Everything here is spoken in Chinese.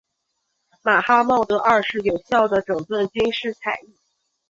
马哈茂德二世有效地整顿军事采邑。